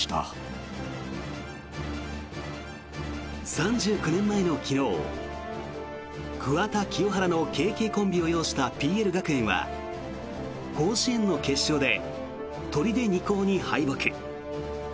３９年前の昨日桑田・清原のＫＫコンビを擁したＰＬ学園は甲子園の決勝で取手二高に敗北。